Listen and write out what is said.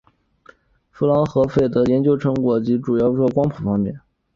夫琅和费的科学研究成果主要集中在光谱方面。